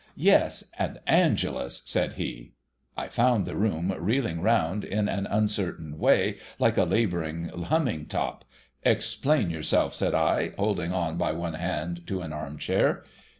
' Yes !— and Angela's,' said he. I found the room reeling round in an uncertain way, like a labouring humming top. ' Explain yourself,' said I, holding on by one hand to an arm chair.